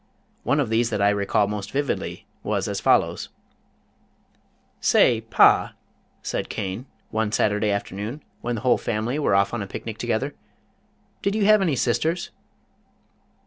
One of these that I recall most vividly was as follows: "Say, Pa," said Cain, one Saturday afternoon, when the whole family were off on a picnic together, "did you have any sisters?"